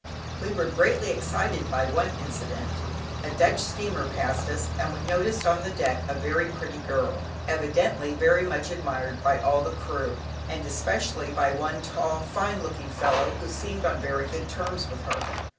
We were greatly excited by one incident. A Dutch steamer passed us, and we noticed on the deck a very pretty girl, evidently very much admired by all the crew, and especially by one tall fine looking fellow who seemed on very good terms with her.